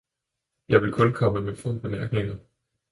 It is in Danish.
Jeg vil kun komme med få bemærkninger.